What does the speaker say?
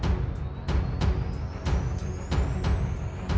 oh kan sudah didengar semua